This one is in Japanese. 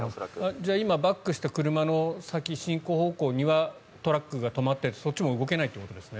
じゃあ今バックした車の先進行方向にはトラックが止まって、そっちも動けないということですね。